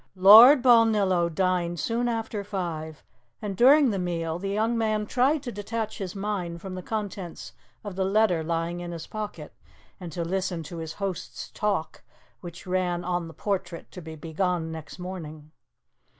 Lord Balnillo dined soon after five, and during the meal the young man tried to detach his mind from the contents of the letter lying in his pocket and to listen to his host's talk, which ran on the portrait to be begun next morning.